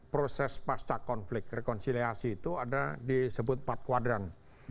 proses pasca konflik rekonsiliasi itu ada disebut empat kwadran